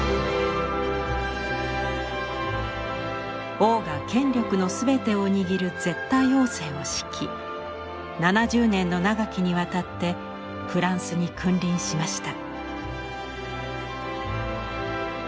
王が権力のすべてを握る絶対王政を敷き７０年の長きにわたってフランスに君臨しました。